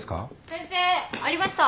先生ありました。